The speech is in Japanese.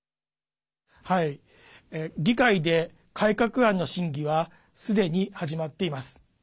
議会で改革案の審議はすでに始まっています。